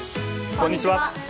こんにちは。